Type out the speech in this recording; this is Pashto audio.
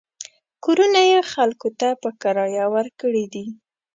کورونه یې خلکو ته په کرایه ورکړي دي.